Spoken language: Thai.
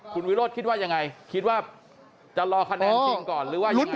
คุณวิโรธคิดว่ายังไงคิดว่าจะรอคะแนนจริงก่อนหรือว่ายังไง